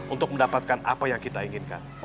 untuk mendapatkan apa yang kita inginkan